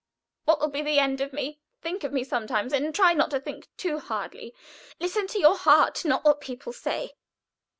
What will be the end of me? Think of me sometimes, and try not to think too hardly. Listen to your heart not to what people say.